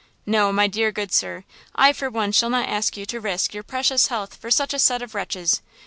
"No, my dear good sir! I for one shall not ask you to risk your precious health for such a set of wretches!